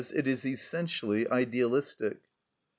_, it is essentially idealistic.